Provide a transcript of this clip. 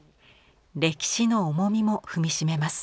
歴史の重みも踏みしめます。